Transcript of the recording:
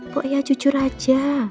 pokoknya jujur aja